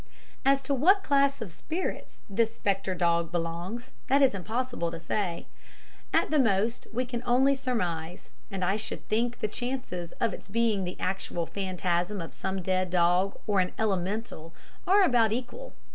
As to what class of spirits the spectre dog belongs, that is impossible to say. At the most we can only surmise, and I should think the chances of its being the actual phantasm of some dead dog or an elemental are about equal.